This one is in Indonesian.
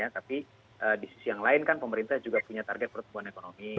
tapi di sisi yang lain kan pemerintah juga punya target pertumbuhan ekonomi